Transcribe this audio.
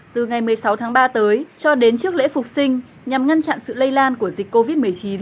từ ngày một mươi sáu tháng ba tới cho đến trước lễ phục sinh nhằm ngăn chặn sự lây lan của dịch covid một mươi chín